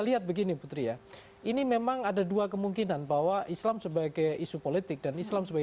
lihat begini putri ya ini memang ada dua kemungkinan bahwa islam sebagai isu politik dan islam sebagai